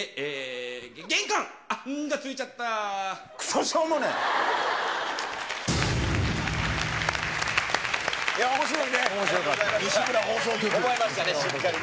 覚えましたね、しっかりね。